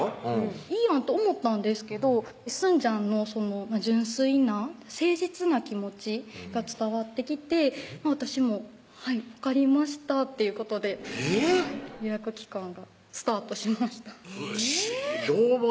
いいやんと思ったんですけどすんじゃんの純粋な誠実な気持ちが伝わってきて私も「はい分かりました」っていうことでえぇっ予約期間がスタートしましたどう思う？